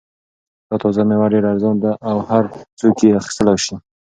دا تازه مېوه ډېره ارزان ده او هر څوک یې اخیستلای شي.